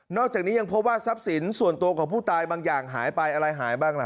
อกจากนี้ยังพบว่าทรัพย์สินส่วนตัวของผู้ตายบางอย่างหายไปอะไรหายบ้างล่ะ